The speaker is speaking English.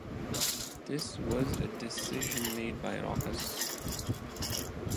This was a decision made by Rawkus.